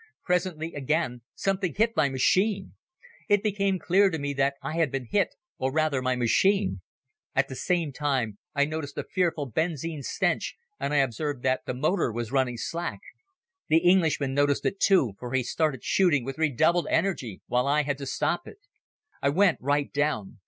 Presently again something hit my machine. It became clear to me that I had been hit or rather my machine. At the same time I noticed a fearful benzine stench and I observed that the motor was running slack. The Englishman noticed it, too, for he started shooting with redoubled energy while I had to stop it. I went right down.